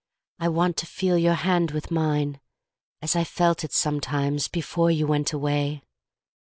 I want to feel your hand with mine as I felt it sometimes before you went away.